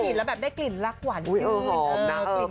ฉีดแล้วแบบได้กลิ่นรักหวานขึ้นอื้อหอมนะ